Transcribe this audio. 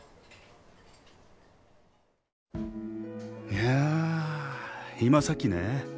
いや今さっきね